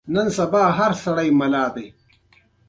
آیا دوی په نړیوال لیګ کې نه لوبېږي؟